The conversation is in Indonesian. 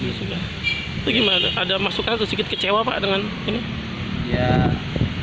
itu gimana ada masukan atau sedikit kecewa pak dengan ini